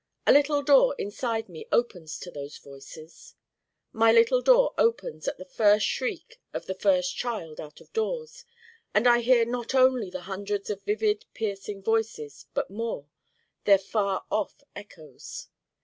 A little door inside me opens to those Voices. My little door opens at the first shriek of the first child out of doors, and I hear not only the hundreds of vivid piercing Voices but more their far off echoes.